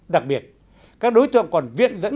đặc biệt các đối tượng còn viện dẫn